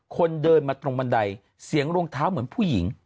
คนเดินมาตรงบันไดเสียงรองเท้าเหมือนผู้หญิง